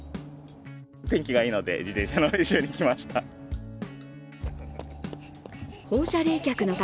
天気がいいので、自転車の練習に来ました。